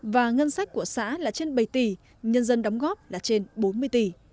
và ngân sách của xã là trên bảy tỷ nhân dân đóng góp là trên bốn mươi tỷ